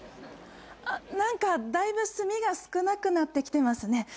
あっ何かだいぶ炭が少なくなってきてますね。